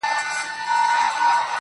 دا څه ليونى دی بيـا يـې وويـل.